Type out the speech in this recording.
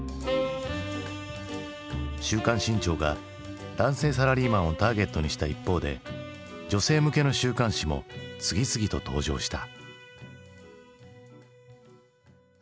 「週刊新潮」が男性サラリーマンをターゲットにした一方で女性向けの週刊誌も次々と登場した。